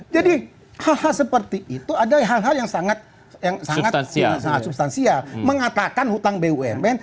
jadi seperti itu ada hal hal yang sangat yang sangat sia sia mengatakan hutang bumn